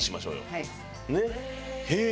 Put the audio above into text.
はい。